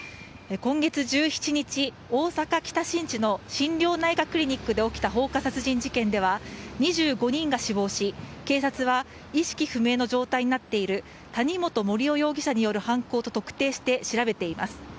今月１７日、大阪北新地の心療内科クリニックで起きた放火殺人事件では２５人が死亡し警察は意識不明の状態になっている谷本盛雄容疑者による犯行と特定して調べています。